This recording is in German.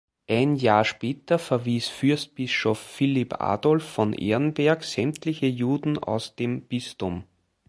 Ein Jahr später verwies Fürstbischof Philipp Adolf von Ehrenberg sämtliche Juden aus dem Bistum.